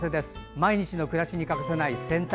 毎日の暮らしに欠かせない洗濯。